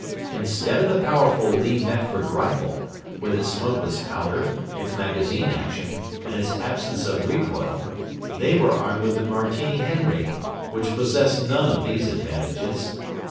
Instead of the powerful Lee Metford rifle, with its smokeless powder, its magazine action, and its absence of recoil, they were armed with the Martini Henry, which possessed none of these advantages.